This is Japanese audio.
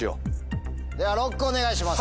ではＬＯＣＫをお願いします。